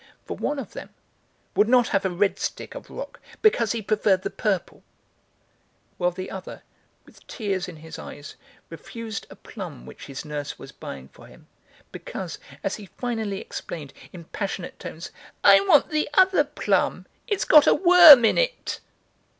For one of them would not have a red stick of rock because he preferred the purple, while the other, with tears in his eyes, refused a plum which his nurse was buying for him, because, as he finally explained in passionate tones: "I want the other plum; it's got a worm in it!"